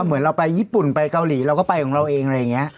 เหมือนเราไปญี่ปุ่นไปเกาหลีเราก็ไปของเราเองอะไรอย่างนี้